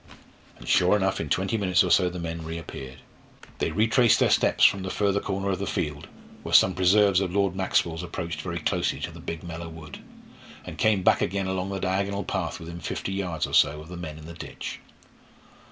And sure enough in twenty minutes or so the men reappeared. They retraced their steps from the further corner of the field, where some preserves of Lord Maxwell's approached very closely to the big Mellor wood, and came back again along the diagonal path within fifty yards or so of the men in the ditch.